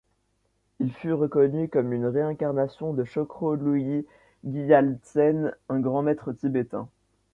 Il fut reconnu comme une réincarnation de Chokro Luyi Gyaltsen, un grand maître tibétain.